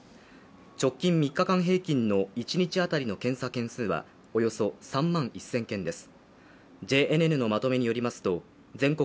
直近３日間平均の１日当たりの検査件数はおよそ３万１０００件です。